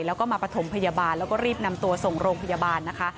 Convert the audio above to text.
แล้วก็มาประถมพยาบาลแล้วก็รีบนำตัวส่งโรงพยาบาลนะคะ